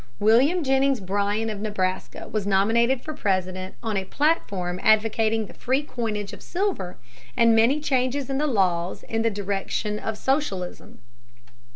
William Jennings Bryan of Nebraska was nominated for President on a platform advocating the free coinage of silver and many changes in the laws in the direction of socialism.